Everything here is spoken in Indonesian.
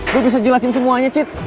gue bisa jelasin semuanya cit